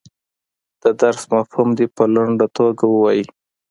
د درس مفهوم دې په لنډه توګه ووایي.